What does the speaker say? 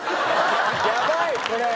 やばいこれは。